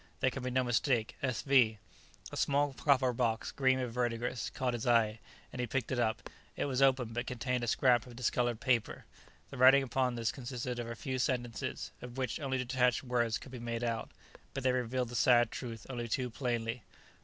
There can be no mistake. S. V." A small copper box, green with verdigris, caught his eye, and he picked it up. It was open, but contained a scrap of discoloured paper. The writing upon this consisted of a few sentences, of which only detached words could be made out, but they revealed the sad truth only too plainly.